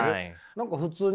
何か普通にね